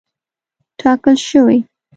ټاکل شوې.